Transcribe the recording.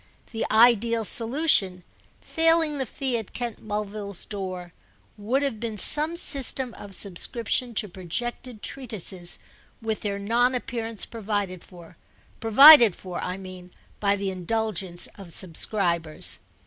The ideal solution, failing the fee at Kent Mulville's door, would have been some system of subscription to projected treatises with their non appearance provided for—provided for, I mean, by the indulgence of subscribers.